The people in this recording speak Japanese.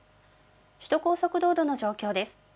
首都高速道路の状況です。